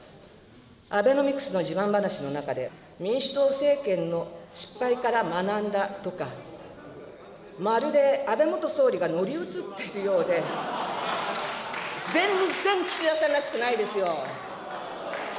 アベノミクスの自慢話の中で、民主党政権の失敗から学んだとか、まるで安倍元総理が乗り移っているようで、全然岸田さんらしくないですよ。